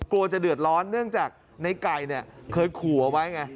กลัวจะเดือดร้อนเนื่องจากในไก่เนี่ยเคยขู่เอาไว้ไง